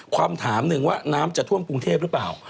คำถามหนึ่งว่าน้ำจะท่วมกรุงเทพหรือเปล่า